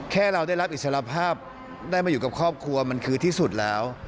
แค่เราได้รับอิสระภาพได้มาอยู่กับครอบครัวมันคือที่สุดแล้ว